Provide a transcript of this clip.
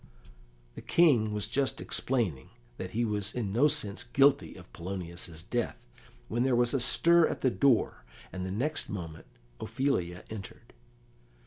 The King was just explaining that he was in no sense guilty of Polonius's death, when there was a stir at the door, and the next moment Ophelia entered.